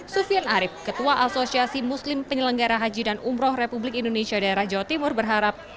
sufian arief ketua asosiasi muslim penyelenggara haji dan umroh republik indonesia daerah jawa timur berharap